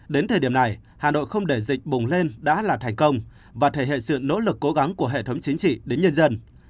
đến thời điểm này hà nội không để dịch bùng lên đã là thành công và thể hiện sự nỗ lực cố gắng của hệ thống chính trị đến nhân dân